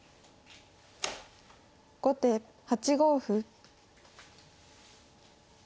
後手８五歩。